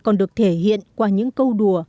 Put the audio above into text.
còn được thể hiện qua những câu đùa